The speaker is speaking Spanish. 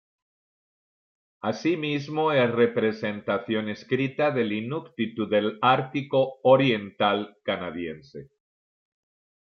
Asimismo es representación escrita del inuktitut del ártico oriental canadiense.